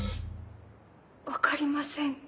分かりません。